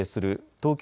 東京